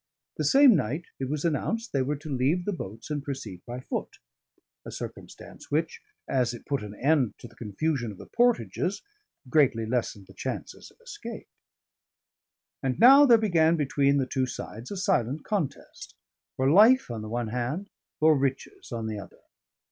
The same night it was announced they were to leave the boats and proceed by foot, a circumstance which (as it put an end to the confusion of the portages) greatly lessened the chances of escape. And now there began between the two sides a silent contest, for life on the one hand, for riches on the other.